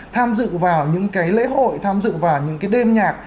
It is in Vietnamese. tham dự vào những cái lễ hội tham dự vào những cái đêm nhạc